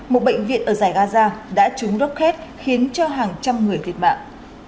một bệnh viện ở giải gaza đã trúng rocket khiến cho hàng trăm người thiệt mạng